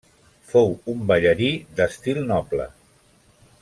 Fou un ballarí d'estil noble.